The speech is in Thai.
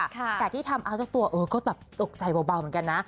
แต่ที่ทำเอาจากตัวก็ตกใจเบาเหมือนกันนะ